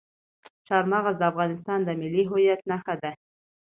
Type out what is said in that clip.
چار مغز د افغانستان د ملي هویت نښه ده.